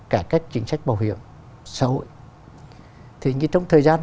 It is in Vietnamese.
cải cách chính sách bảo hiểm xã hội thì như trong thời gian